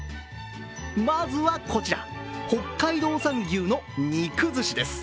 まずはこちら、北海道産牛の肉寿司です。